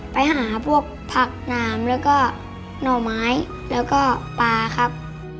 ไปหาพวกผักหนามแล้วก็หน่อไม้แล้วก็ปลาครับ